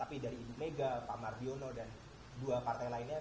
tapi dari ibu mega pak mardiono dan dua partai lainnya